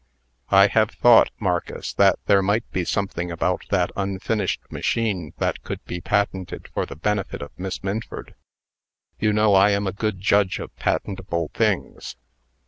"I have thought, Marcus, that there might be something about that unfinished machine that could be patented for the benefit of Miss Minford. You know I am a good judge of patentable things."